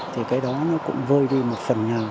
thì cái đó cũng vơi đi một phần nhà